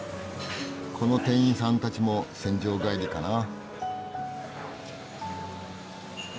この店員さんたちも戦場帰りかな。